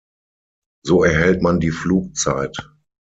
So erhält man die Flugzeit.